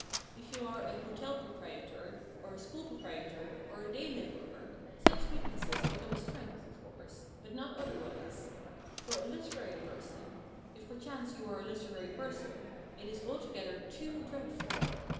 If you are a hotel proprietor, or a school proprietor, or a day labourer, such weaknesses become a strength, of course, but not otherwise. For a literary person if perchance you are a literary person it is altogether too dreadful.